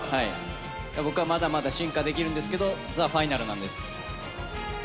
僕はまだまだ進化できるんですけど、ザ・ファイナルなんです。